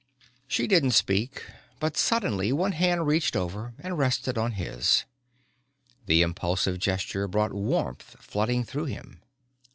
She didn't speak, but suddenly one hand reached over and rested on his. The impulsive gesture brought warmth flooding through him.